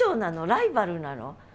ライバルなの？